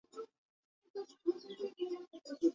কয়েক দফা, স্যার।